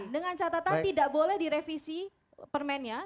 dengan catatan tidak boleh direvisi permennya